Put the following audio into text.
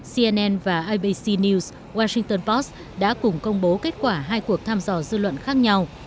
cnn và ibc news washington post đã cùng công bố kết quả hai cuộc thăm dò dư luận khác nhau